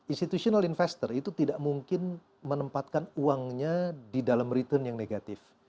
institutional investor itu tidak mungkin menempatkan uangnya di dalam return yang negatif